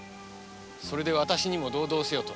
それで私にも同道せよと。